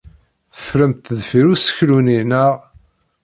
Teffremt deffir useklu-nni, naɣ?